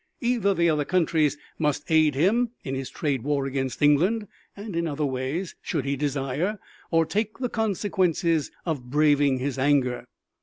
Either the other countries must aid him in his trade war against England and in other ways should he desire, or take the consequences of braving his anger.